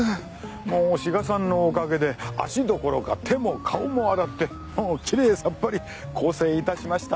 もう志賀さんのおかげで足どころか手も顔も洗ってもうきれいさっぱり更生致しました。